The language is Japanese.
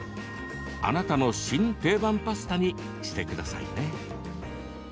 あなたの新定番パスタにしてくださいね。